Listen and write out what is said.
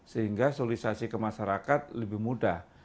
sehingga sosialisasi ke masyarakat lebih mudah